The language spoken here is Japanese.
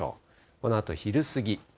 このあと昼過ぎ。